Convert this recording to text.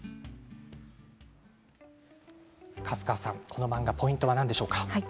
粕川さん、この漫画のポイントは何でしょうか？